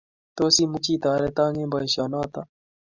Tos imuchi itoreto eng boisionoto?